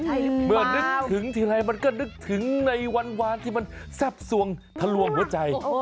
เมื่อนึกถึงทีไรมันก็นึกถึงในวานที่มันแซ่บสวงทะลวงหัวใจ